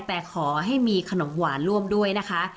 แต่ขอให้มีขนมหวานร่วมด้วยนะคะ